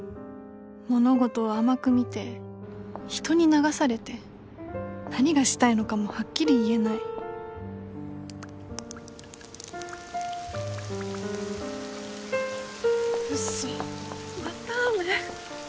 物事を甘く見て人に流されて何がしたいのかもはっきり言えないウソまた雨？